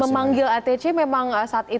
memanggil atc memang saat itu karena kapten riko